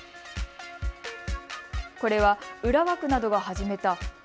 これは浦和区などが始めた＃